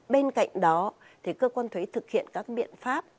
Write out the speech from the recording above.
bên cạnh đó cơ quan thuế thực hiện các biện pháp